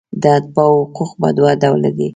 د اتباعو حقوق په دوه ډوله دي.